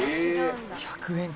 １００円か。